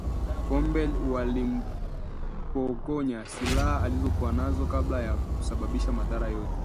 Kombe walimpokonya silaha alizokuwa nazo kabla ya kusababisha madhara yoyote